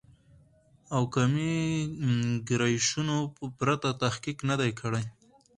او قومي ګرایشونو پرته تحقیق نه دی کړی